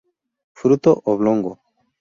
Fruto oblongo.